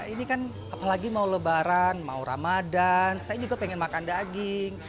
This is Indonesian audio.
ini kan apalagi mau lebaran mau ramadan saya juga pengen makan daging